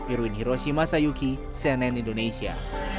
irwin hiroshima sayuki cnn indonesia